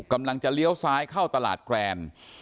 กำลังจะเลี้ยวซ้ายเข้าตลาดแกรน